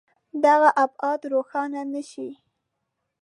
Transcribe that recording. دغه ابعاد روښانه نه شي.